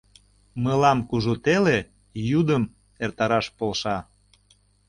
Мылам кужу теле йӱдым эртараш полша.